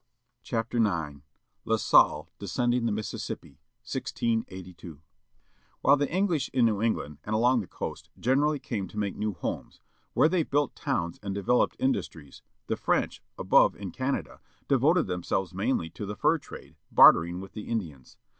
IN THE TRACK OF THE WAR LA SALLE DESCENDING THE MISSISSIPPI. 1682 HILE the English in New England, and along the coast, generally came to make new homes, where they built towns and developed in dustries, the French, above, in Canada, devoted themselves mainly to the fur trade, bartering with the Indians.